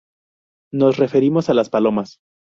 Nos referimos a las palomas.